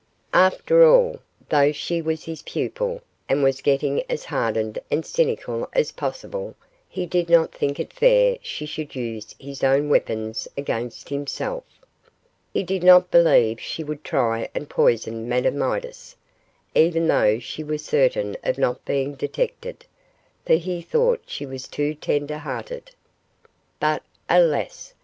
After all, though she was his pupil, and was getting as hardened and cynical as possible, he did not think it fair she should use his own weapons against himself. He did not believe she would try and poison Madame Midas, even though she was certain of not being detected, for he thought she was too tender hearted. But, alas!